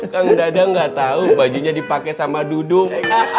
kang dada nggak tahu bajunya dipakai sama duduk